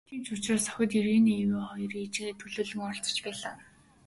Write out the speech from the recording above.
Тийм учраас охид нь, Ирене Эве хоёр ээжийгээ төлөөлөн оролцож байлаа.